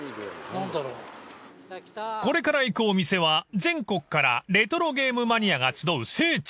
［これから行くお店は全国からレトロゲームマニアが集う聖地］